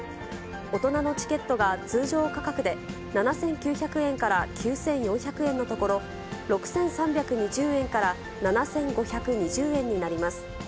大人のチケットが通常価格で７９００円から９４００円のところ、６３２０円から７５２０円になります。